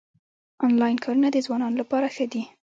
انلاین کارونه د ځوانانو لپاره ښه دي